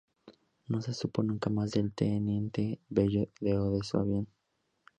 No se supo nunca más del Teniente Bello o de su Avión.